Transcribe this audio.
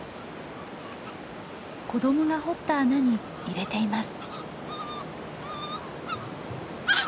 子どもが掘った穴に入れています。